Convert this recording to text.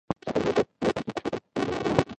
مسافرۍ مې زړه نری کړ چې تش وطن رايادوم ژړا راځينه